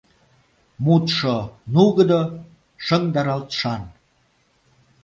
Мутшо нугыдо, шыҥдаралтшан.